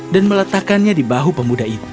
dan meletakkannya di bahu pemuda itu